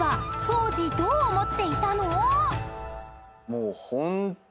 もう。